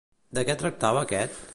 De què tractava aquest?